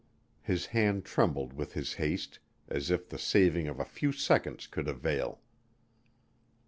His hand trembled with his haste as if the saving of a few seconds could avail.